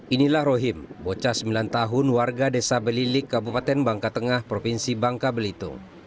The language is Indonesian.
inilah rohim bocah sembilan tahun warga desa belilik kabupaten bangka tengah provinsi bangka belitung